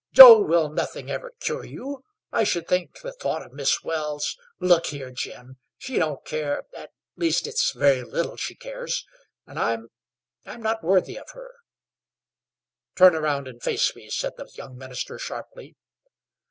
Joe, will nothing ever cure you? I should think the thought of Miss Wells " "Look here, Jim; she don't care at least, it's very little she cares. And I'm I'm not worthy of her." "Turn around here and face me," said the young minister sharply.